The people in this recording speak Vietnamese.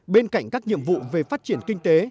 bên cạnh các nhiệm vụ về phát triển kinh tế